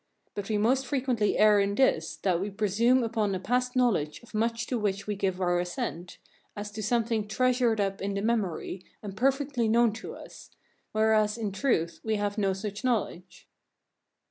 But we most frequently err in this, that we presume upon a past knowledge of much to which we give our assent, as to something treasured up in the memory, and perfectly known to us; whereas, in truth, we have no such knowledge.